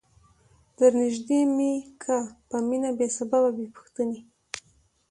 درنیژدې می که په مینه بې سببه بې پوښتنی